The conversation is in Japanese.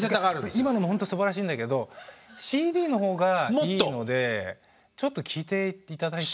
今のもほんとすばらしいんだけどＣＤの方がいいのでちょっと聴いて頂いて。